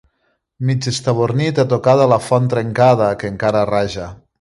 Mig estabornit a tocar de la font trencada, que encara raja.